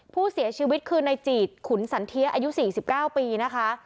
ผู้เสียชีวิตคือในจีดขุนสันเทียอายุ๔๙ปีนะคะ